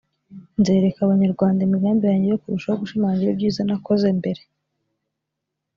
nzereka Abanyarwanda imigambi yanjye no kurushaho gushimangira ibyiza nakoze mbere